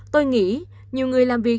tôi nghĩ nhiều người làm việc